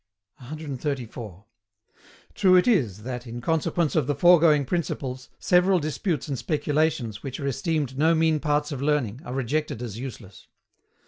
134. True it is that, in consequence of the foregoing principles, several disputes and speculations which are esteemed no mean parts of learning, are rejected as useless.